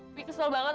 opi kesel banget